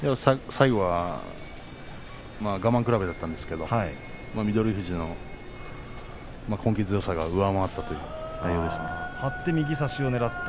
最後は我慢比べだったんですが右翠富士の根気強さが上回ったということですね。